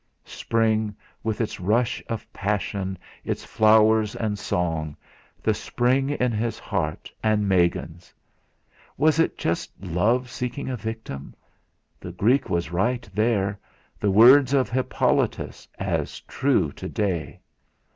Spring, with its rush of passion, its flowers and song the spring in his heart and Megan's! Was it just Love seeking a victim! The Greek was right, then the words of the "Hippolytus" as true to day!